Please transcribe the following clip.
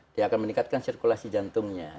dia akan meningkatkan sirkulasi jantungnya